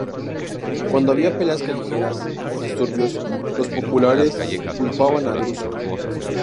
Cuando había peleas callejeras o disturbios, los "populares" culpaban a Druso.